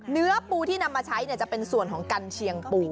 เนื้อปูที่นำมาใช้จะเป็นส่วนของกันเชียงปู